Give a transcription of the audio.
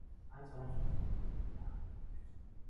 Ганц хором ч болтугай тэврэх байх гэж хүлээв.